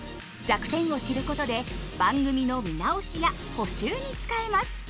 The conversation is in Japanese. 弱点を知ることで番組の見直しや補習に使えます。